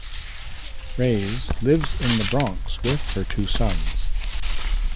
Reyes lives in the Bronx with her two sons.